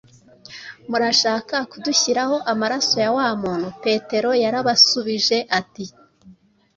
murashaka kudushyiraho amaraso ya wa muntu!” Petero yarabasubije ati: